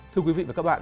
thưa quý vị và các bạn